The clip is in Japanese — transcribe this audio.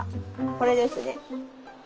これですね。